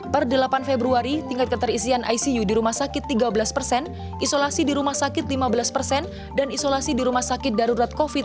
per delapan februari tingkat keterisian icu di rumah sakit tiga belas persen isolasi di rumah sakit lima belas persen dan isolasi di rumah sakit darurat covid sembilan belas